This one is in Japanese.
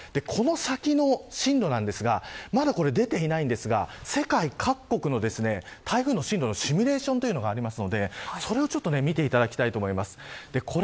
この先の進路ですがまだ出ていないんですが世界各国の台風の進路のシミレーションというのがありますのでそれを見ていきたいと思います。